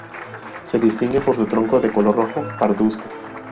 Se distingue por su tronco de color rojo parduzco.